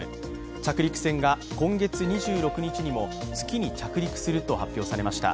着陸船が今月２６日にも月に着陸すると発表されました。